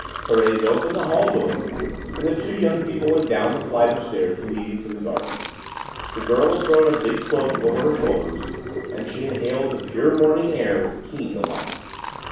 Thérèse opened the hall door, and the two young people went down the flight of steps leading to the garden. The girl had thrown a big cloak over her shoulders, and she inhaled the pure morning air with keen delight.